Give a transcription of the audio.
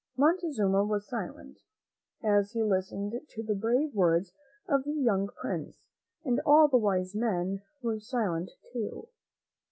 '" Montezuma was silent as he listened to the brave words of the young prince, and all the wise men were silent too.